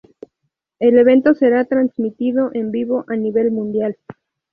El evento será transmitido en vivo a nivel mundial.